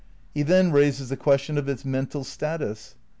He then raises the question of its mental status.